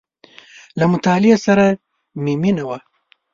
• له مطالعې سره مې مینه وه.